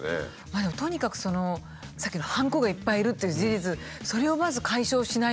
でもとにかくさっきのハンコがいっぱい要るっていう事実それをまず解消しないといけないなと。